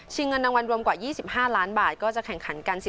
เงินรางวัลรวมกว่า๒๕ล้านบาทก็จะแข่งขันกัน